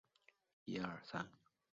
华登率余部击败宋军。